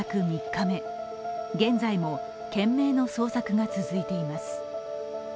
３日目、現在も懸命の捜索が続いています。